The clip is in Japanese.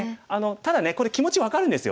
ただねこれ気持ち分かるんですよ。